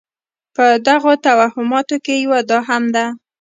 په دغو توهماتو کې یوه دا هم ده.